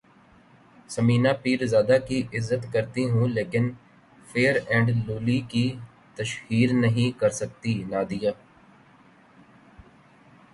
ثمینہ پیرزادہ کی عزت کرتی ہوں لیکن فیئر اینڈ لولی کی تشہیر نہیں کرسکتی نادیہ